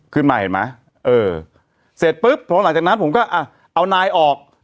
ขึ้นมาเห็นไหมเออเสร็จปุ๊บพอหลังจากนั้นผมก็อ่ะเอานายออก